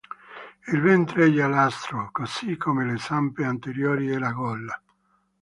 Il ventre è giallastro, così come le zampe anteriori e la gola.